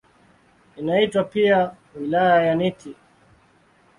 Inaitwa pia "Wilaya ya Nithi".